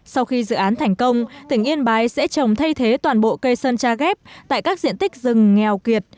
sau khi dự án thành công tỉnh yên bái sẽ trồng thay thế toàn bộ cây sơn tra ghép tại các diện tích rừng nghèo kiệt